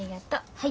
はい。